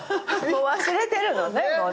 忘れてるのねもうね。